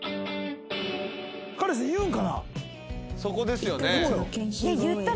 そこですよね。